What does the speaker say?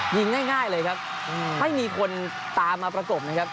ง่ายเลยครับไม่มีคนตามมาประกบนะครับ